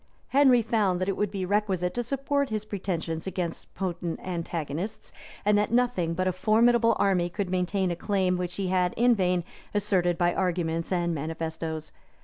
Henry found that it would be requisite to support his pretensions against potent antagonists; and that nothing but a formidable army could maintain a claim which he had in vain asserted by arguments and manifestoes.